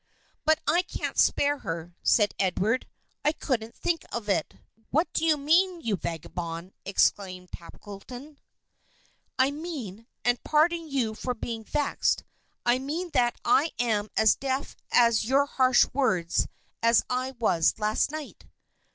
"But I can't spare her," said Edward. "I couldn't think of it." "What do you mean, you vagabond?" exclaimed Tackleton. "I mean and I pardon you for being vexed I mean that I am as deaf to your harsh words as I was last night."